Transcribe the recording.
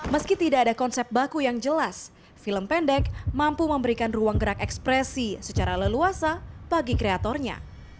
meski tidak ada konsep baku yang jelas film pendek mampu memberikan ruang gerak ekspresi secara leluasa bagi kreatornya